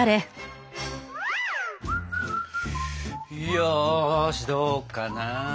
よしどうかな。